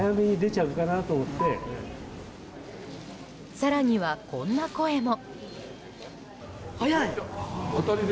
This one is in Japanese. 更には、こんな声も。